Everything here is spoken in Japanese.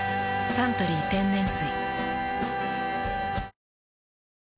「サントリー天然水」